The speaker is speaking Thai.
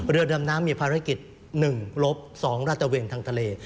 เรือดำน้ำมีภารกิจ๑ลบ๒ราชเวงทางทะเล